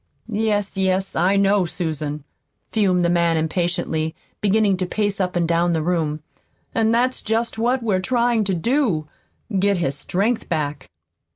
"Yes, yes, I know, Susan," fumed the man impatiently, beginning to pace up and down the room. "And that's just what we're trying to do get his strength back."